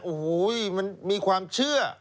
โอ้โหมันมีความเชื่อ